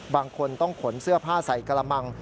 บางคนต้องขนเสื้อผ้าใส่กระมัง